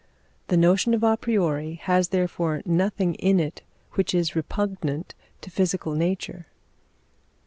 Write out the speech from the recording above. The notion of a priori has therefore nothing in it which is repugnant to physical nature.